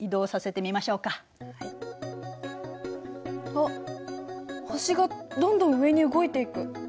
あっ星がどんどん上に動いていく。